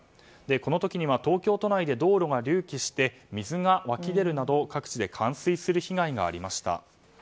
この時には東京都内で道路が隆起して水が湧き出るなど各地で冠水する被害がありました。